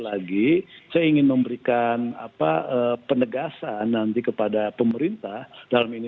tapi itu m knocksang lebih dari